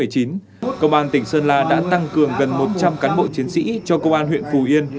công an tỉnh sơn la đã tăng cường gần một trăm linh cán bộ chiến sĩ cho công an huyện phù yên